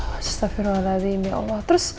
aduh astaghfirullahaladzim ya allah